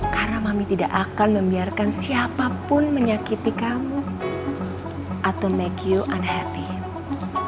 karena mami tidak akan membiarkan siapapun menyakiti kamu atau membuatmu tak bahagia